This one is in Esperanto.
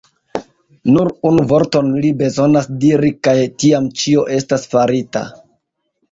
Nur unu vorton li bezonas diri, kaj tiam ĉio estos farita.